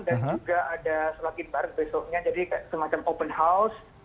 dan juga ada sebagian baru besoknya jadi semacam open house